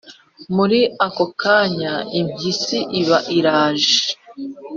muri ako kanya impyisi iba iraje